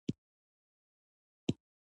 سانتیاګو پوهیږي چې خزانه په سفر کې نه وه.